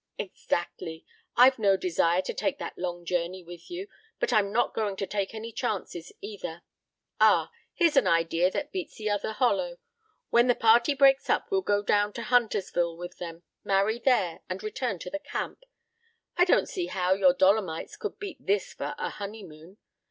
"Exactly. I've no desire to take that long journey with you, but I'm not going to take any chances, either. ... Ah! Here's an idea that beats the other hollow. When the party breaks up we'll go down to Huntersville with them, marry there, and return to the camp. I don't see how your Dolomites could beat this for a honeymoon.